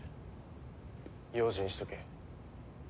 用心しとけ。